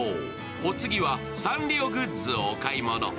お次はサンリオグッズをお買い物。